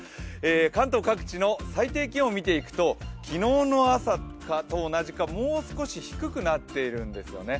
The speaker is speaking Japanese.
関東各地の最低気温を見ていくと昨日の朝と同じか、もう少し低くなっているんですよね。